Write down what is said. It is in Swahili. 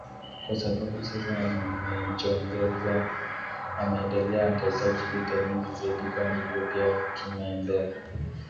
kwa sababu sasa ameonjezea ameendelea atahitaji lita nyingi zaidi kwani hivyo pia kinaendea